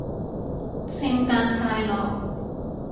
聖誕快樂